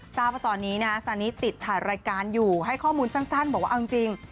ทราบว่าตอนนี้นะฮะซานิติดถ่ายรายการอยู่ให้ข้อมูลสั้นบอกว่าเอาจริง